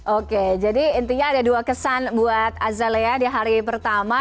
oke jadi intinya ada dua kesan buat azalea di hari pertama